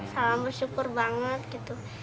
salam bersyukur banget gitu